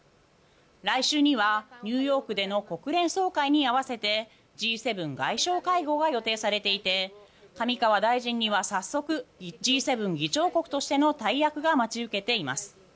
来週にはニューヨークでの国連総会に合わせてＧ７外相会合が予定されていて上川大臣にはさっそくＧ７議長国としての大役が待ち受けています。